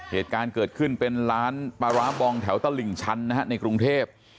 เหตุการณ์เกิดขึ้นเป็นร้านปลาร้าบองแถวตลิ่งชั้นนะฮะในกรุงเทพ